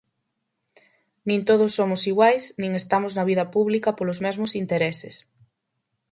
Nin todos somos iguais nin estamos na vida pública polos mesmos intereses.